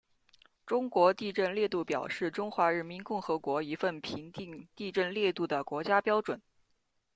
中国地震烈度表是中华人民共和国一份评定地震烈度的国家标准。